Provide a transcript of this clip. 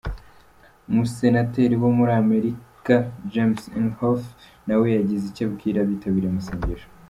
Umusenateri wo muri Amerika, James Inhofe, nawe yagize icyo abwira abitabiriye amasengesho.